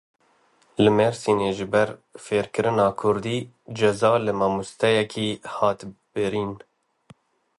Li Mêrsînê ji ber fêrkirina kurdî ceza li mamosteyekî hat birîn.